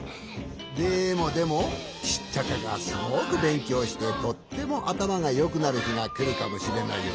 でもでもシッチャカがすごくべんきょうしてとってもあたまがよくなるひがくるかもしれないよね？